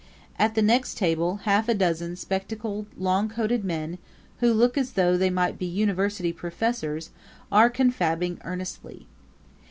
At the next table half a dozen spectacled, long coated men, who look as though they might be university professors, are confabbing earnestly.